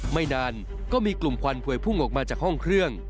ไม่นานก็มีกลุ่มควันพวยพุ่งออกมาจากห้องเครื่อง